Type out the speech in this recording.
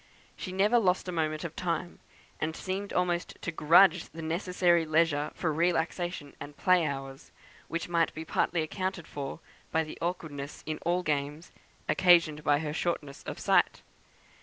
She never lost a moment of time, and seemed almost to grudge the necessary leisure for relaxation and play hours, which might be partly accounted for by the awkwardness in all games occasioned by her shortness of sight.